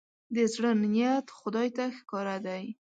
د زړه نيت خدای ته ښکاره دی.